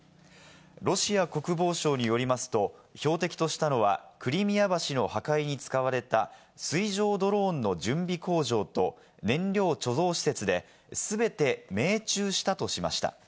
ロシア国防省によりますと、標的としたのは、クリミア橋の破壊に使われた水上ドローンの準備工場と燃料貯蔵施設で、全て命中したとしました。